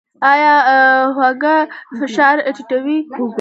ایا هوږه فشار ټیټوي؟